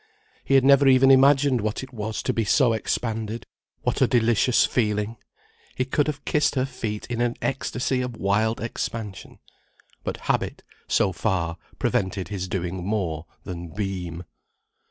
He had never even imagined what it was to be so expanded: what a delicious feeling. He could have kissed her feet in an ecstasy of wild expansion. But habit, so far, prevented his doing more than beam.